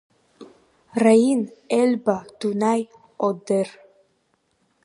Раин, Ельба, Дунаи, Одер.